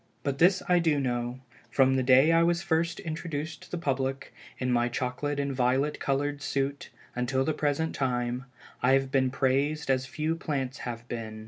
But this I do know, from the day I was first introduced to the public, in my chocolate and violet colored suit until the present time, I have been praised as few plants have been.